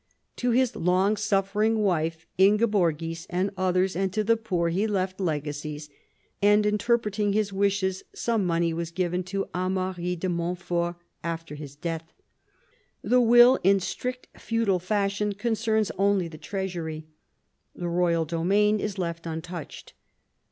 To his long suffering wife Ingeborgis and others, and to the poor, he left legacies, and interpret ing his wishes some money was given to Amaury de Montfort after his death. The will, in strict feudal fashion, concerns only the treasury. The royal domain is left untouched.